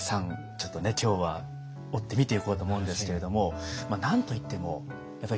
ちょっとね今日は追って見ていこうと思うんですけれども何と言っても今日は黒柳さん